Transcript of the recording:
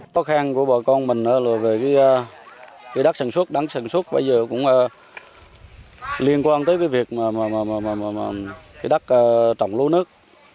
khó khăn của bà con mình là về đất sản xuất đất sản xuất bây giờ cũng liên quan tới việc đất trồng lúa nước